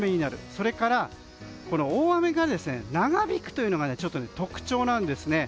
それから大雨が長引くというのが特徴なんです。